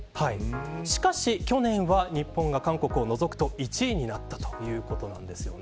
しかし去年は日本が韓国を除くと１位になったということなんですよね。